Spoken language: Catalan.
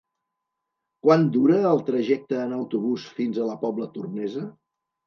Quant dura el trajecte en autobús fins a la Pobla Tornesa?